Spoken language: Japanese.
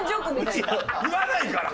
言わないから！